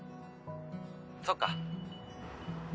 そっか。